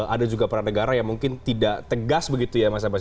ada juga peran negara yang mungkin tidak tegas begitu ya mas abbas